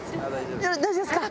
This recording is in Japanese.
大丈夫ですか？